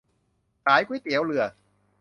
ขายก๋วยเตี๋ยวเรือ